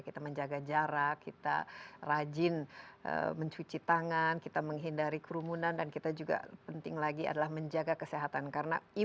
kita menjaga jarak kita rajin mencuci tangan kita menghindari kerumunan dan kita juga penting lagi adalah menjaga kesehatan